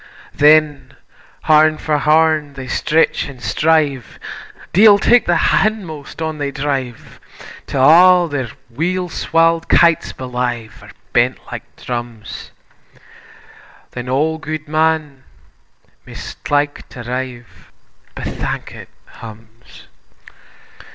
Then horn for horn they stretch an' strive, Deil tak the hindmost, on they drive, 'Till a' their weel swall'd kytes belyve Are bent like drums; Then auld Guidman, maist like to rive, Bethankit hums.